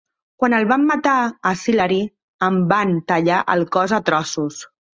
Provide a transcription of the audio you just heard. Quan el van matar a Sillery, en van tallar el cos a trossos.